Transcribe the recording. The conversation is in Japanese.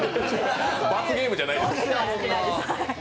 罰ゲームじゃないですから。